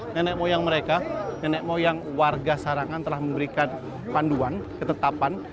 nenek moyang mereka nenek moyang warga sarangan telah memberikan panduan ketetapan